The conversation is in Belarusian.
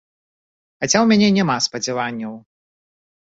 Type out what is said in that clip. Хаця ў мяне няма спадзяванняў.